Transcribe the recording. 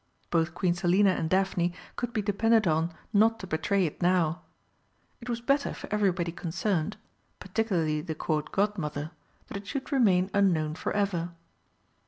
Both Queen Selina and Daphne could be depended on not to betray it now. It was better for everybody concerned particularly the Court Godmother that it should remain unknown for ever.